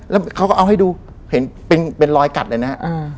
แล้วเขาก็เอาให้ดูเห็นเป็นรอยกัดเลยนะฮะ